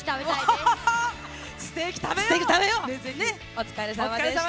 お疲れさまでした。